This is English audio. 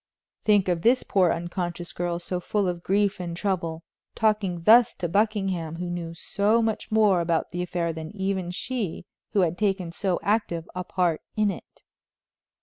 Think of this poor unconscious girl, so full of grief and trouble, talking thus to Buckingham, who knew so much more about the affair than even she, who had taken so active a part in it.